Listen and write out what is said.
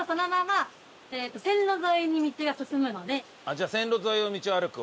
じゃあ「線路沿いの道を歩く」を覚える。